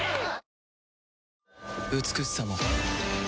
美しさも